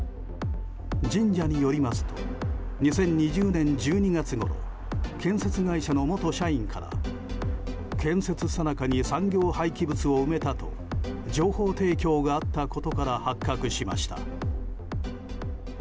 神社によりますと２０２０年１２月ごろ建設会社の元社員から建設さなかに産業廃棄物を埋めたと情報提供があったことから発覚しました。